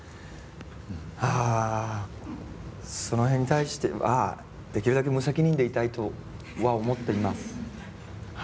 あその辺に対してはできるだけ無責任でいたいとは思っています。